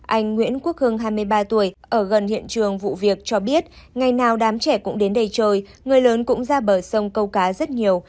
anh nguyễn quốc hưng hai mươi ba tuổi ở gần hiện trường vụ việc cho biết ngày nào đám trẻ cũng đến đây trời người lớn cũng ra bờ sông câu cá rất nhiều